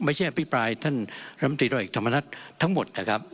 ไม่ใช่อภิปรายท่านรัฐมนตรีร้อยเอกธรรมนัฐทั้งหมดนะครับ